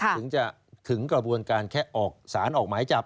ถึงจะถึงกระบวนการแค่ออกสารออกหมายจับ